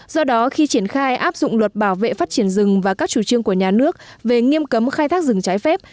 do đó khi triển khai áp dụng luật bảo vệ phát triển rừng và các chủ trương của nhà nước về nghiêm cấm khai thác rừng trái phép